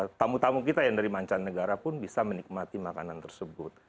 nah tamu tamu kita yang dari mancanegara pun bisa menikmati makanan tersebut